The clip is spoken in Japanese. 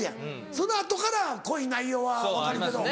その後から濃い内容は分かるけど。